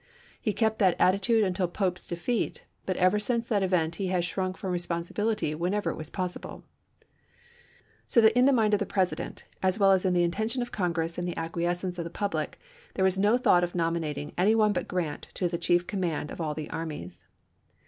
He kept that attitude until Pope's defeat, but ever since that event he has shrunk from responsibility whenever it was possible." Diary. So that in the mind of the President, as well as in the 336 ABRAHAM LINCOLN CH. XIII. intention of Congress and the acquiescence of the public, there was no thought of nominating any one but Grant to the chief command of all the armies.